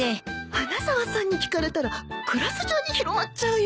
花沢さんに聞かれたらクラス中に広まっちゃうよ。